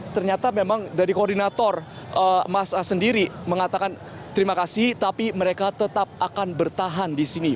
ternyata memang dari koordinator masa sendiri mengatakan terima kasih tapi mereka tetap akan bertahan di sini